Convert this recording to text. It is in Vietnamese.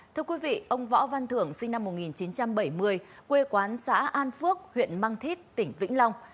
thưa quý vị ông võ văn thưởng sinh năm một nghìn chín trăm bảy mươi quê quán xã an phước huyện mang thít tỉnh vĩnh long